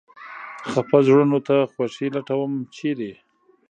خپه زړونو ته خوښي لټوم ، چېرې ؟